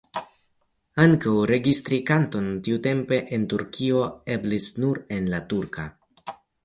Ankaŭ registri kanton tiutempe en Turkio eblis nur en la turka.